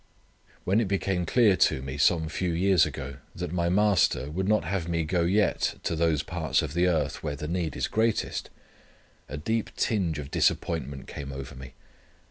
When it became clear to me some few years ago that my Master would not have me go yet to those parts of the earth where the need is greatest, a deep tinge of disappointment came over me.